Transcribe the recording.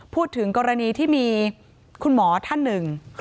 พูดถึงกรณีที่มีคุณหมอท่านหนึ่ง